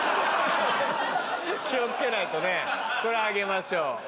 気を付けないとねぇこれあげましょう。